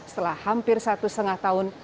setelah hampir satu setengah tahun